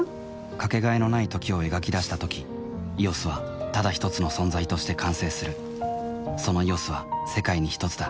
かけがえのない「時」を描き出したとき「ＥＯＳ」はただひとつの存在として完成するその「ＥＯＳ」は世界にひとつだ